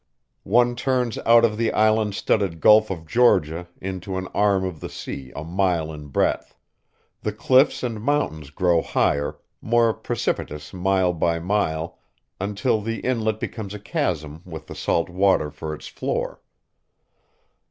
One turns out of the island studded Gulf of Georgia into an arm of the sea a mile in breadth. The cliffs and mountains grow higher, more precipitous mile by mile, until the Inlet becomes a chasm with the salt water for its floor.